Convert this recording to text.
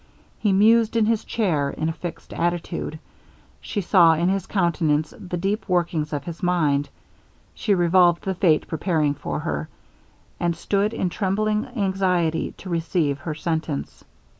He mused in his chair, in a fixed attitude. She saw in his countenance the deep workings of his mind she revolved the fate preparing for her, and stood in trembling anxiety to receive her sentence.